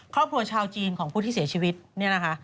ครอบครัวชาวจีนของผู้ที่เสียชีวิตนี่แหละค่ะ